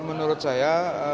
ya menurut saya